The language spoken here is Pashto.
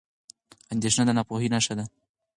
اندېښنه د ناپوهۍ نښه ده.